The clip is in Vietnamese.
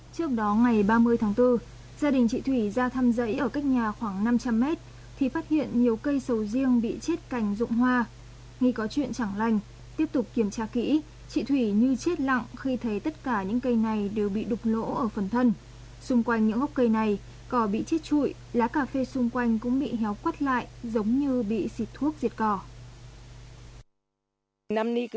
vào sáng ngày ba mươi tháng bốn gia đình chị thủy ra thăm dãy ở cách nhà khoảng năm trăm linh m thì phát hiện nhiều cây sầu riêng bị chết cành rụng hoa nghĩ có chuyện chẳng lành tiếp tục kiểm tra kỹ chị thủy như chết lặng khi thấy tất cả những cây này đều bị đục lỗ ở phần thân xung quanh những gốc cây này cỏ bị chết chuỗi lá cà phê xung quanh cũng bị héo quắt lại giống như bị xịt thuốc diệt cỏ